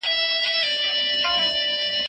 که زده کړه بېلابېلو لارو وسي دا تعليم ګڼل کېږي.